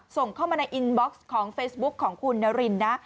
ส่งเข้ามาในอินบ็อกซ์ของเฟซบุ๊คของคุณนารินนะ